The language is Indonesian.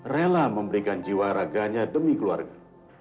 rela memberikan jiwa raganya demi keluarga